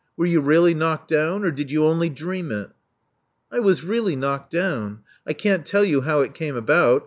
Were you really knocked down; or did you only dream it?" I was really knocked down. I can't tell you how it came about.